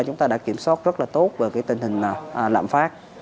chúng ta đã kiểm soát rất là tốt về tình hình lạm phát